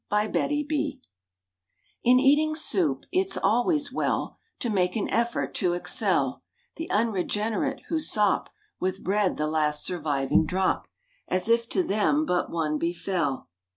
IN EATING SOUP In eating soup, it's always well To make an effort to excel The unregenerate who sop With bread the last surviving drop As if to them but one befell.